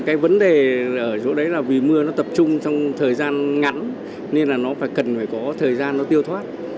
cái vấn đề ở chỗ đấy là vì mưa nó tập trung trong thời gian ngắn nên là nó phải cần phải có thời gian nó tiêu thoát